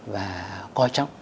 và coi trọng